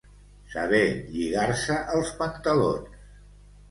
Saber lligar-se els pantalons.